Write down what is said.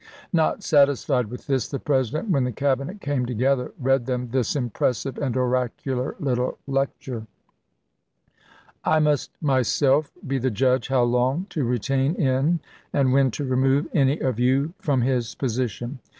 Not satisfied with this, the President, when the Cabinet came together, read them this impressive and oracular little lecture : CABINET CHANGES 339 I must myself be the judge how long to retain in and chap. xv. when to remove any of you from his position.